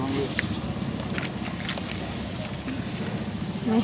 โอเคครับ